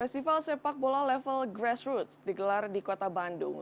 festival sepak bola level grassroots digelar di kota bandung